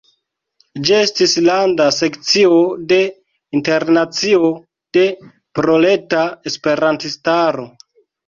Ĝi estis landa sekcio de Internacio de Proleta Esperantistaro.